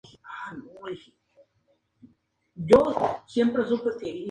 Su lenguaje denota una clara preocupación para que el lector lo entienda.